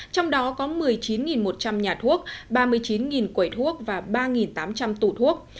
trong đó có một mươi chín một trăm linh nhà thuốc ba mươi chín quẩy thuốc và ba tám trăm linh tủ thuốc